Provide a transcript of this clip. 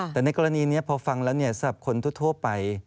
แต่ในกรณีนี้พอฟังแล้วสำหรับคนทั่วไป